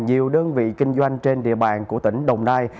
nhiều đơn vị kinh doanh trên địa bàn của tỉnh đồng nai